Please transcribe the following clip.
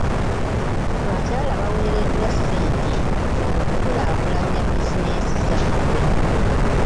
Abakyala baweereddwa ssente okukulaakulanya bizinensi zaabwe.